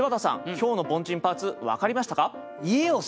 今日の凡人パーツ分かりましたか？